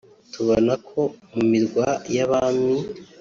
tubona ko mu mirwa y’abami